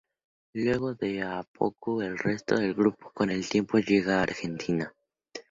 Luego de a poco, el resto del grupo con el tiempo llega a Argentina.